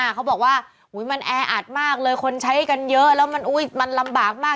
เขาบอกว่ามันแออัดมากเลยคนใช้กันเยอะแล้วมันลำบากมาก